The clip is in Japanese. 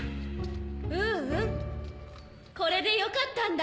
ううんこれでよかったんだ。